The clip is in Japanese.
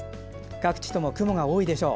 各地とも雲が多いでしょう。